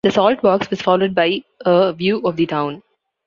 "The Salt Box" was followed by "A View of the Town".